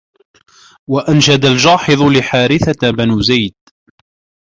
وَأَنْشَدَ الْجَاحِظُ لِحَارِثَةَ بْنِ زَيْدٍ